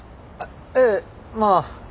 ええまあ。